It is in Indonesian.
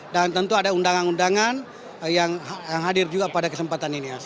dan tentu ada undangan undangan yang hadir juga pada kesempatan ini